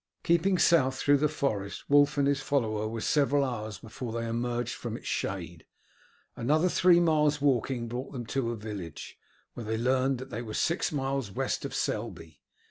Keeping south through the forest Wulf and his follower were several hours before they emerged from its shade. Another three miles' walking brought them to a village, where they learned they were six miles west of Selby.